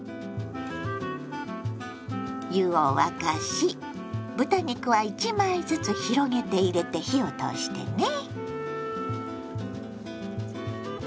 湯を沸かし豚肉は１枚ずつ広げて入れて火を通してね。